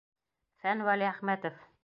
Фән ВӘЛИӘХМӘТОВ: